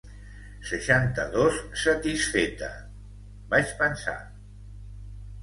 Seixanta-dos satisfeta!, vaig pensar.